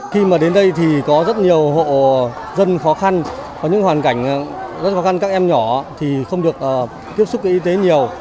khi mà đến đây thì có rất nhiều hộ dân khó khăn có những hoàn cảnh rất khó khăn các em nhỏ thì không được tiếp xúc y tế nhiều